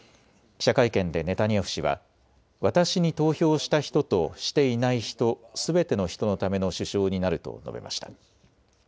記者会見でネタニヤフ氏は私に投票した人としていない人、すべての人のための首相になると述べました。